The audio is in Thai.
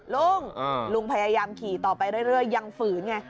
ลุงลุงพยายามขี่ต่อไปเรื่อยยังฝืนไง